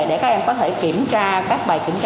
để các em có thể kiểm tra các bài kiểm tra